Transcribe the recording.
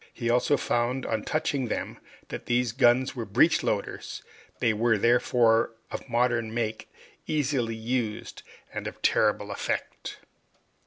He found also, on touching them that these guns were breech loaders. They were therefore, of modern make, easily used, and of terrible effect.